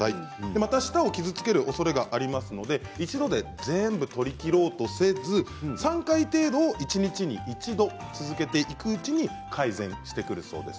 また舌を傷つけるおそれがありますので、一度で全部取りきろうとせず３回程度を一日に一度続けていくうちに改善してくるそうです。